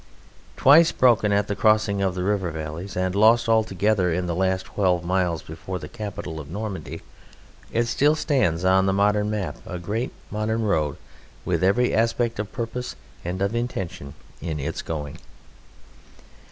Twice broken at the crossing of the river valleys, and lost altogether in the last twelve miles before the capital of Normandy, it still stands on the modern map a great modern road with every aspect of purpose and of intention in its going.